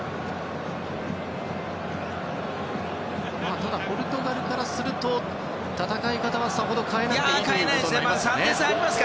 ただ、ポルトガルからすると戦い方はさほど変えなくていいですか？